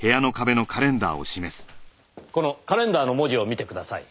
このカレンダーの文字を見てください。